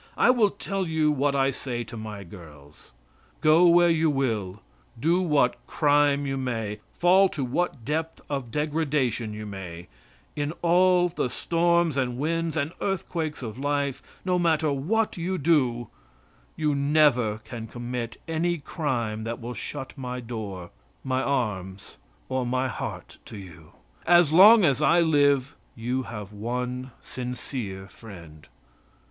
I will tell you what I say to my girls: "Go where you will; do what crime you may; fall to what depth of degradation you may; in all the storms and winds and earthquakes of life, no matter what you do, you never can commit any crime that will shut my door, my arms or my heart to you. As long as I live you have one sincere friend."